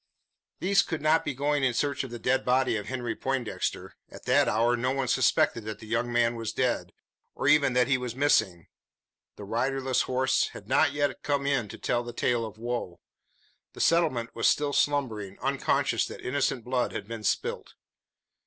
These could not be going in search of the dead body of Henry Poindexter. At that hour no one suspected that the young man was dead, or even that he was missing. The riderless horse had not yet come in to tell the tale of woe. The settlement was still slumbering, unconscious that innocent blood had been spilt.